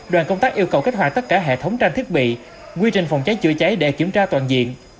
đoàn công tác yêu cầu kích hoạt tất cả hệ thống trang thiết bị quy trình phòng cháy chữa cháy để kiểm tra toàn diện